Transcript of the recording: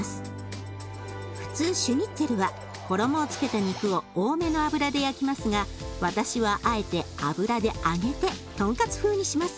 普通シュニッツェルは衣をつけた肉を多めの油で焼きますが私はあえて油で揚げてトンカツ風にします。